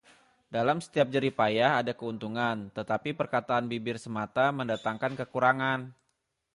Dalam setiap jerih payah ada keuntungan, tetapi perkataan bibir semata mendatangkan kekurangan.